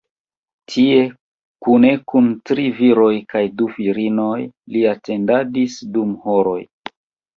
Tie, kune kun tri viroj kaj du virinoj, li atendadis dum horoj.